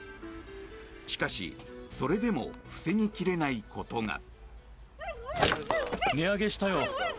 しかしそれでも防ぎ切れないことが。